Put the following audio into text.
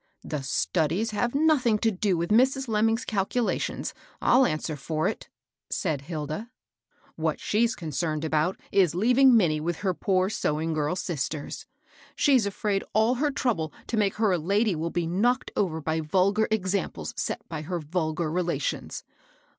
" The studies have nothing to do with Mrs. Lemming's^ calculations, I'll answer for it I " said Hilda. "What she's concerned about is leaving Minnie with her poor sewing girl sisters. She's afraid all her trouble to make her a lady will be knocked over by vulgar examples set by her vul gar relations.